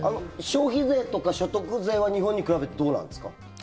消費税とか所得税は日本に比べてどうなんですか。